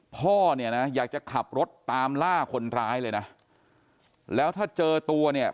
พ่อเนี่ยนะอยากจะขับรถตามล่าคนร้ายเลยนะแล้วถ้าเจอตัวเนี่ย